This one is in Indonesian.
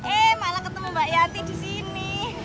eh malah ketemu mbak yati di sini